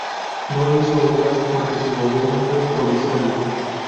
No hizo obras porque su gobierno fue provisorio.